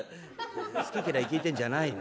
「好き嫌い聞いてんじゃないの。